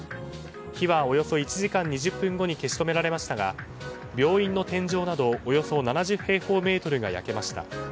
火はおよそ１時間２０分後に消し止められましたが病院の天井などおよそ７０平方メートルが焼けました。